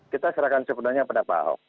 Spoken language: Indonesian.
kita serahkan sepenuhnya pada pak ahok